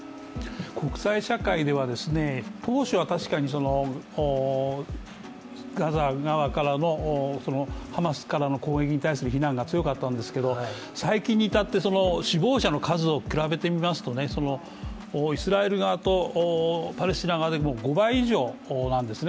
国際社会では当初は確かにガザ側からの、ハマスからの攻撃に対する非難が強かったんですけど、最近に至って、死亡者の数を比べてみますとイスラエル側とパレスチナ側で５倍以上なんですね。